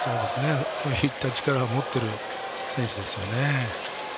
そういった力を持っている選手です。